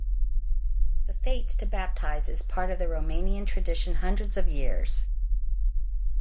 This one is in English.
The Fates to baptize is part of Romanian tradition hundreds of years.